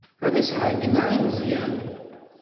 Ad as-ɛeyyneɣ i Meẓyan.